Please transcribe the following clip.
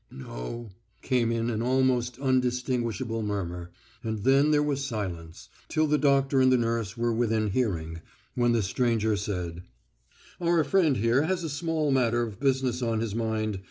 "No," came in an almost undistinguishable murmur, and then there was silence, till the doctor and the nurse were within hearing, when the stranger said: "Our friend here has a small matter of business on his mind.